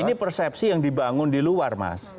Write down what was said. ini persepsi yang dibangun di luar mas